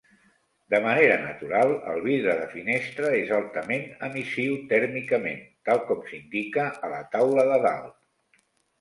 De manera natural, El vidre de finestra és altament emissiu tèrmicament, tal com s'indica a la taula de dalt.